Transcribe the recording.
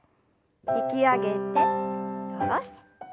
引き上げて下ろして。